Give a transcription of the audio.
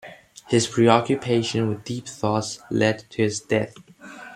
His preoccupation with deep thoughts led to his death.